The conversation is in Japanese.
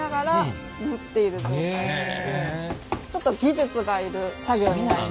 ちょっと技術がいる作業になります。